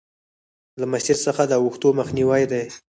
له مسیر څخه د اوښتو مخنیوی دی.